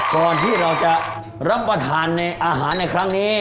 ก่อนที่เราจะรับประทานในอาหารในครั้งนี้